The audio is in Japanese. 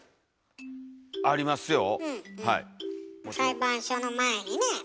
裁判所の前にね